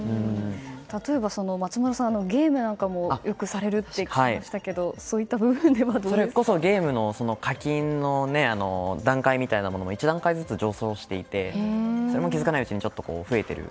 例えば、松丸さんはゲームなんかもよくされると聞きましたがそういった部分ではゲームの課金の段階みたいなものも１段階ずつ上昇していてそれも気づかないうちに増えている。